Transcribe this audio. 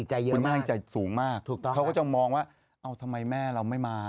หมากถูกต้องเขาก็จะมองว่าเอาทำไมแม่เราไม่มา